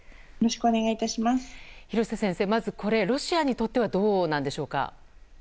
廣瀬先生、まずロシアにとってはこれどうなんでしょうか？